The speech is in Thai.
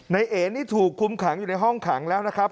เอ๋นี่ถูกคุมขังอยู่ในห้องขังแล้วนะครับ